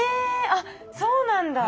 あっそうなんだ。